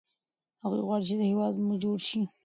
دی غواړي چې هیواد مو جوړ شي.